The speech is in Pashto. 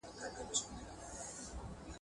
د نورو که تلوار دئ، ما ته ئې په لمن کي راکه.